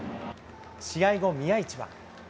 試合後、宮市は。